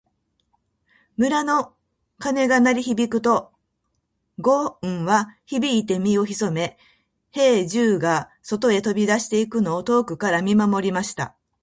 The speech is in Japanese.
村の鐘が鳴り響くと、ごんは驚いて身を潜め、兵十が外へ飛び出していくのを遠くから見守りました。